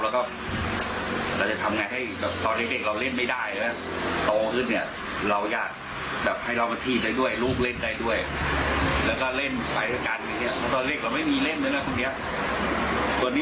แล้วก็จะทำไงทให้แบบตอนเด็กเราเล่นไม่ได้